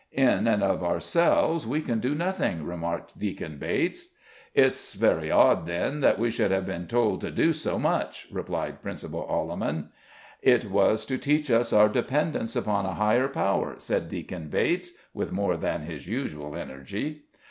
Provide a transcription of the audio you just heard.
"In and of ourselves we can do nothing," remarked Deacon Bates. "It's very odd, then, that we should have been told to do so much," replied Principal Alleman. "It was to teach us our dependence upon a higher power," said Deacon Bates, with more than his usual energy.